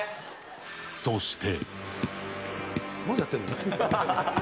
そして。